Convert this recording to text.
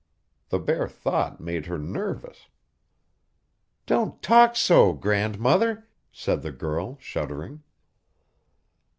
The bare thought made her nervous. 'Don't talk so, grandmother!' said the girl, shuddering.